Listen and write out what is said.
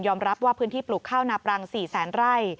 รับว่าพื้นที่ปลูกข้าวนาปรัง๔แสนไร่